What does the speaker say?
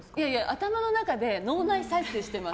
頭の中で脳内再生してます。